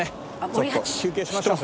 ちょっと休憩しましょうか。